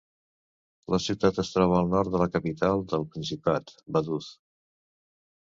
La ciutat es troba al nord de la capital del principat, Vaduz.